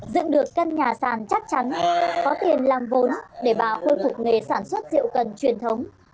dựng được căn nhà sàn chắc chắn có tiền làm vốn để bà khôi phục nghề sản xuất rượu cần truyền thống